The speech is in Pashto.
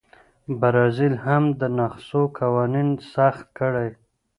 برازیل هم د نسخو قوانین سخت کړي.